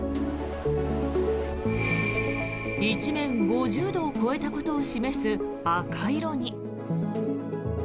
一面、５０度を超えたことを示す赤色に。